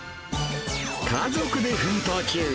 家族で奮闘中！